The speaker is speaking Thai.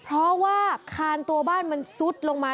เพราะว่าคานตัวบ้านมันซุดลงมา